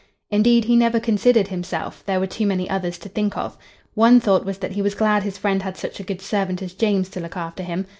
Indeed, he never considered himself; there were too many others to think of. One thought was that he was glad his friend had such a good servant as James to look after him.